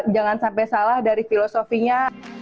jangan sampai salah dari filosofinya